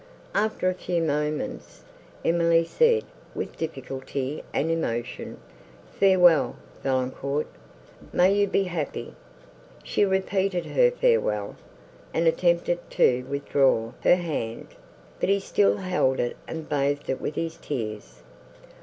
After a few moments, Emily said, with difficulty and emotion, "Farewell, Valancourt, may you be happy!" She repeated her "farewell," and attempted to withdraw her hand, but he still held it and bathed it with his tears.